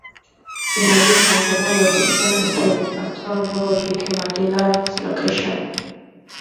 In addition, the Mall of Louisiana store in Baton Rouge became a Dillard's location.